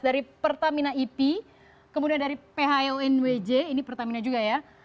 dari pertamina ip kemudian dari phonwj ini pertamina juga ya